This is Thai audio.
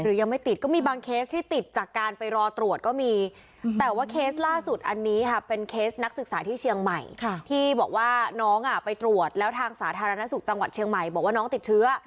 ยังไม่ติดก็มีบางเคสที่ติดจากการไปรอตรวจก็มีแต่ว่าเคสล่าสุดอันนี้ค่ะเป็นเคสนักศึกษาที่เชียงใหม่ที่บอกว่าน้องไปตรวจแล้วทางสาธารณสุขจังหวัดเชียงใหม่บอกว่าน้องติดเชื้อ